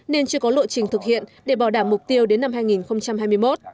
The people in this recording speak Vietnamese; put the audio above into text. nên chưa có lộ trình thực hiện để bảo đảm mục tiêu đến năm hai nghìn hai mươi một